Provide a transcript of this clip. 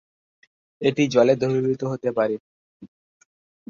এটি জলে দ্রবীভূত হতে পারে।